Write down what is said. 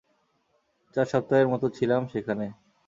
চার সপ্তাহের মতো ছিলাম সেখানে।